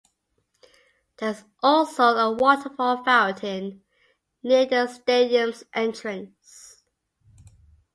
There is also a waterfall fountain near the stadium's entrance.